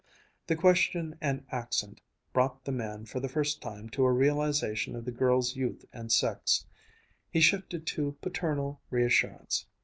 The question and accent brought the man for the first time to a realization of the girls' youth and sex. He shifted to paternal reassurance.